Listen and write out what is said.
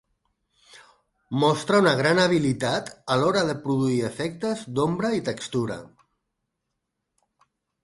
Mostra una gran habilitat a l'hora de produir efectes d'ombra i textura.